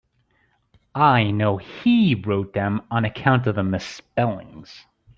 I know he wrote them on account of the misspellings.